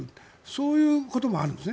そういうこともあるんです。